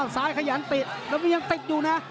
ซ้ายขยันติดแล้วมียังติดอยู่นะ